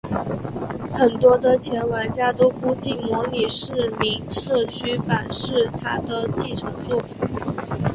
很多的前玩家都估计模拟市民社区版是它的继承作品。